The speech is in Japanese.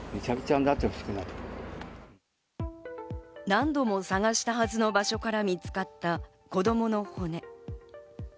何度も探したはずの場所から見つかった子供の骨。